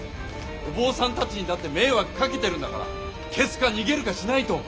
お坊さんたちにだって迷惑かけてるんだから消すか逃げるかしないと。